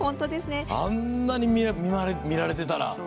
あんなに見られてたら。